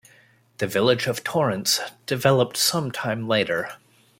The village of Torrance developed some time later.